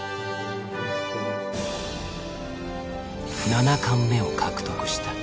七冠目を獲得した。